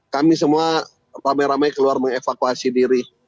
kami semua rame rame keluar mengevakuasi diri